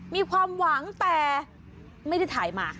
มีความหวังแต่ไม่ได้ถ่ายมา